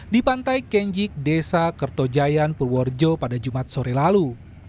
di pantai kenjik desa kertojayan purworejo pada jumat sore lalu